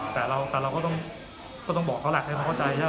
แต่เราก็ต้องบอกเขาแหละให้เขาเข้าใจใช่ไหม